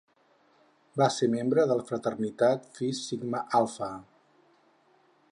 Va ser membre de la Fraternitat Fi Sigma Alfa.